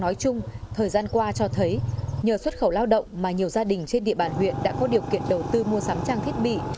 nói chung thời gian qua cho thấy nhờ xuất khẩu lao động mà nhiều gia đình trên địa bàn huyện đã có điều kiện đầu tư mua sắm trang thiết bị